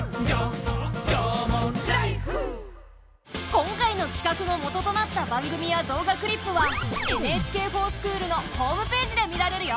今回の企画のもととなった番組や動画クリップは「ＮＨＫｆｏｒＳｃｈｏｏｌ」のホームページで見られるよ。